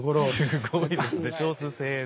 すごいですね少数精鋭で。